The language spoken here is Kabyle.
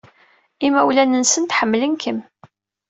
Imawlan-nsent ḥemmlen-kem.